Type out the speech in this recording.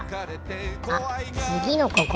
あつぎのここ。